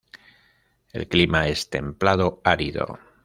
El clima es templado-árido.